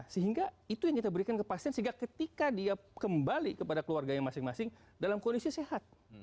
sehingga itu yang kita berikan ke pasien sehingga ketika dia kembali kepada keluarganya masing masing dalam kondisi sehat